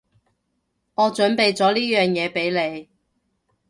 我準備咗呢樣嘢畀你